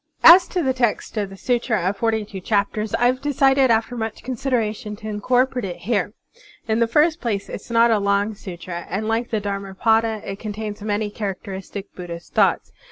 As to the text of the Sutra of Forty two Chap ters, I have decided after much consideration to incorporate it here. In the first place, it is not a long sutra, and like the Dharmapada it contains many characteristic Buddhist thoughts.